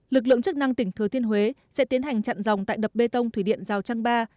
lực lượng chức năng tỉnh thừa thiên huế sẽ tiến hành chặn dòng tại đập bê tông thủy điện rào trăng ba